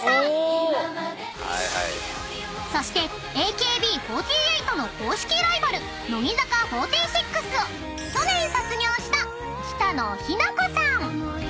［そして「ＡＫＢ４８」の公式ライバル「乃木坂４６」を去年卒業した］